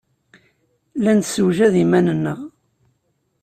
La nessewjad iman-nneɣ.